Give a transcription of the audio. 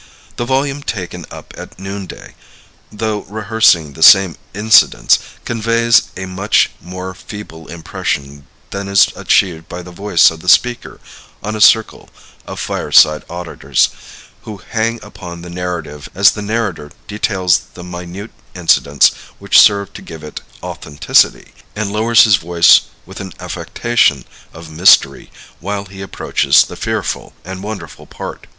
The volume taken up at noonday, though rehearsing the same incidents, conveys a much more feeble impression than is achieved by the voice of the speaker on a circle of fireside auditors, who hang upon the narrative as the narrator details the minute incidents which serve to give it authenticity, and lowers his voice with an affectation of mystery while he approaches the fearful and wonderful part.